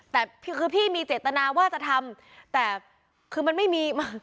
แต่คือพี่มีเจตนาว่าจะทำแต่คือมันไม่มี